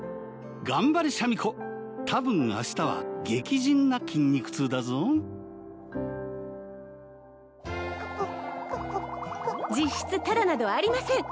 頑張れシャミ子多分明日は激甚な筋肉痛だぞクプクプク実質タダなどありません